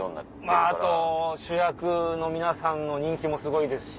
あと主役の皆さんの人気もすごいですし。